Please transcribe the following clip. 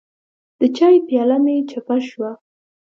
د چای پیاله مې چپه شوه.